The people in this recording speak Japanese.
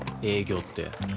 営業って。